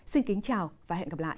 xin kính chào và hẹn gặp lại